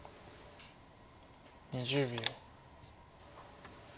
２０秒。